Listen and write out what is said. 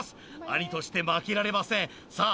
兄として負けられませんさあ